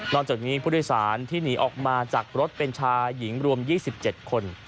จากนี้ผู้โดยสารที่หนีออกมาจากรถเป็นชายหญิงรวม๒๗คน